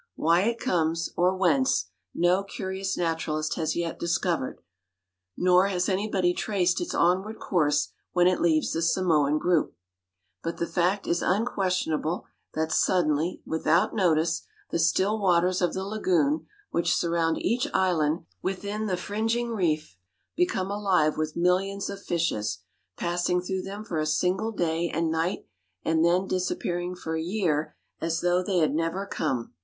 Why it comes, or whence, no curious naturalist has yet discovered, nor has anybody traced its onward course when it leaves the Samoan group, but the fact is unquestionable that suddenly, without notice, the still waters of the lagoon which surround each island within the fringing reef become alive with millions of fishes, passing through them for a single day and night and then disappearing for a year as though they had never come.